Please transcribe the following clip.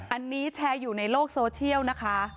อันนี้แชร์อยู่ในโลกโซเชียลนะคะ